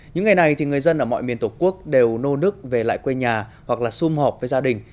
những ngày này thì người dân ở mọi miền tổ quốc đều nô nức về lại quê nhà hoặc là xung họp với gia đình